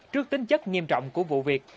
trước tính chất nghiêm trọng của vụ việc